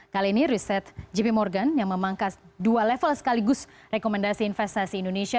kali ini riset gp morgan yang memangkas dua level sekaligus rekomendasi investasi indonesia